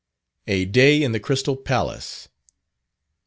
_A Day in the Crystal Palace.